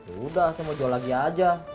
udah saya mau jual lagi aja